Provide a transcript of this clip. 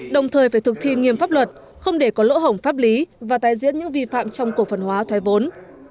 đồng thời phải thực thi nghiêm pháp luật không để có lỗ hổng pháp lý và tai diễn những vi phạm trong cổ phần hóa thoái vốn